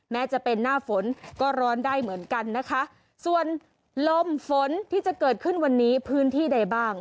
แม้จะเป็นหน้าฝนก็ร้อนได้เหมือนกันนะคะส่วนลมฝนที่จะเกิดขึ้นวันนี้พื้นที่ใดบ้าง